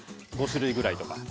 ５種類ぐらいとか。